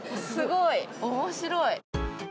すごい面白い。